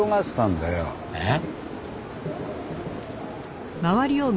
えっ？